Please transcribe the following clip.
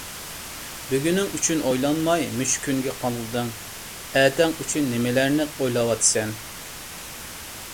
بۈگۈنىڭ ئۈچۈن ئويلانماي مۇشۇ كۈنگە قالدىڭ، ئەتەڭ ئۈچۈن نېمىلەرنى ئويلاۋاتىسەن؟!